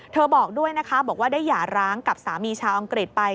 บอกด้วยนะคะบอกว่าได้หย่าร้างกับสามีชาวอังกฤษไป